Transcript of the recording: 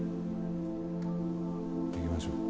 行きましょう。